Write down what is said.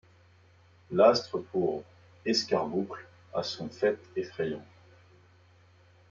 L’astre pour escarboucle à son faîte effrayant ;